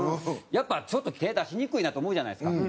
やっぱちょっと手出しにくいなって思うじゃないですか。